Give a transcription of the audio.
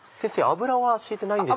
油は敷いてない。